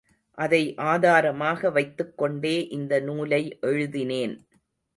அதை ஆதாரமாக வைத்துக்கொண்டே இந்த நூலை எழுதினேன்.